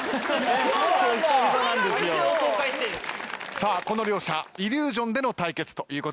さあこの両者イリュージョンでの対決ということになります。